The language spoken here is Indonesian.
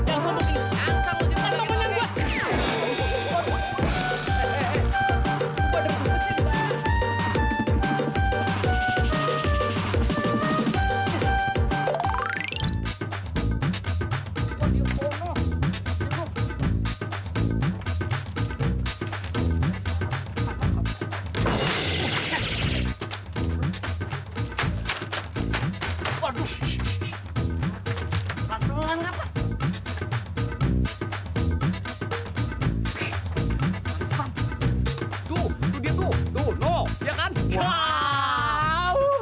tuh tuh tuh tuh tuh tuh tuh tuh tuh tuh tuh tuh tuh tuh tuh tuh tuh tuh tuh tuh tuh tuh